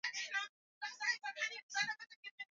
hakikisha viazi lishe vyako vimepoa